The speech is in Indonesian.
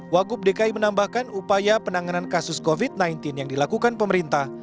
wagub dki menambahkan upaya penanganan kasus covid sembilan belas yang dilakukan pemerintah